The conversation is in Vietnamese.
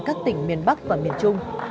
các tỉnh miền bắc và miền trung